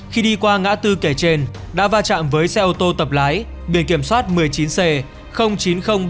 khi đi qua ngã tư kể trên đã va chạm với xe ô tô tập lái biển kiểm soát một mươi chín c chín nghìn ba mươi